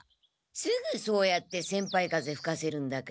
すぐそうやって先輩風ふかせるんだから。